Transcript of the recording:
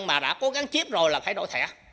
mà đã cố gắng chip rồi là phải đổi thẻ